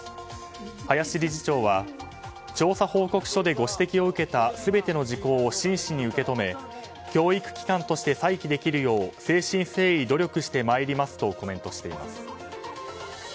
林理事長は調査報告書でご指摘を受けた全ての事項を真摯に受け止め教育機関として再起できるよう誠心誠意努力してまいりますとコメントしています。